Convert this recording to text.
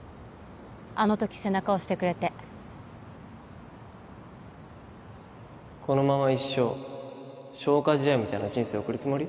あの時背中押してくれてこのまま一生消化試合みたいな人生送るつもり？